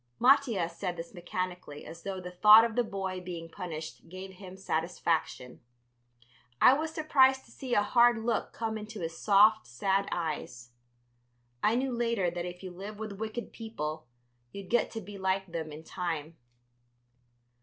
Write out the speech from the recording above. Mattia said this mechanically, as though the thought of the boy being punished gave him satisfaction. I was surprised to see a hard look come into his soft, sad eyes. I knew later that if you live with wicked people you get to be like them in time.